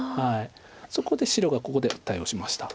そこで白がここで対応しました。